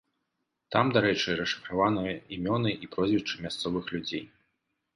Там, дарэчы, расшыфраваныя імёны і прозвішчы мясцовых людзей.